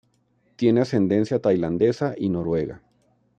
Tiene ascendencia tailandesa y noruega.